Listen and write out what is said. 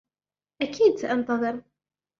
أكيد سأنتظر.